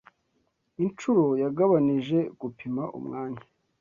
Inshuro yagabanije gupima Umwanya